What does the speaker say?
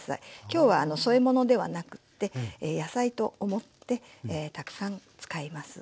今日は添え物ではなくって野菜と思ってたくさん使います。